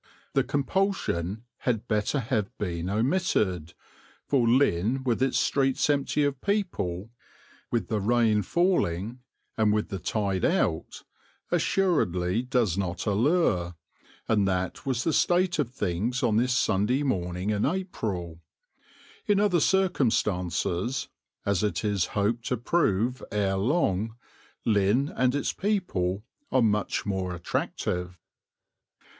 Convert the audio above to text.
The compulsion had better have been omitted, for Lynn with its streets empty of people, with the rain falling, and with the tide out, assuredly does not allure, and that was the state of things on this Sunday morning in April. In other circumstances, as it is hoped to prove ere long, Lynn and its people are much more attractive.